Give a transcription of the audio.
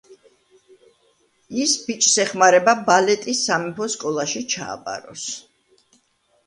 ის ბიჭს ეხმარება, ბალეტის სამეფო სკოლაში ჩააბაროს.